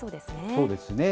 そうですね。